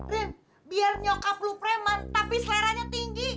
rin biar nyokap lu preman tapi seleranya tinggi